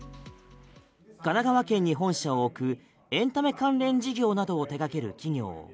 神奈川県に本社を置くエンタメ関連事業などを手がける企業。